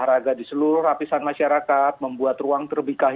yang sedang menghampiri negara setelah lebat buta